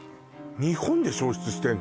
日本で焼失してるの？